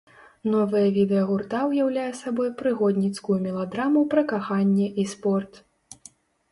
Новае відэа гурта ўяўляе сабой прыгодніцкую меладраму пра каханне і спорт.